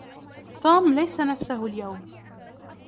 توم ليس نَفسَهُ اليوم.